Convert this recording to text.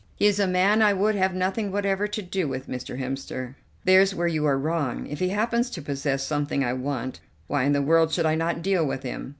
"He is a man I would have nothing whatever to do with, Mr. Hemster." "There's where you are wrong. If he happens to possess something I want, why in the world should I not deal with him.